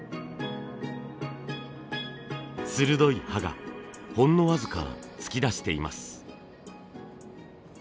鋭い刃がほんの僅か突き出しています。